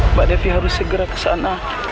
mbak devi harus segera kesana